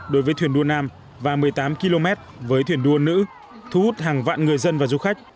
đối với thuyền đua nam và một mươi tám km với thuyền đua nữ thu hút hàng vạn người dân và du khách